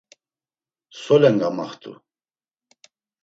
Solen gamaxtu?